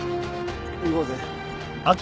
行こうぜ。